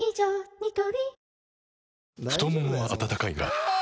ニトリ太ももは温かいがあ！